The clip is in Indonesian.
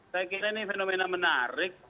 saya kira ini fenomena menarik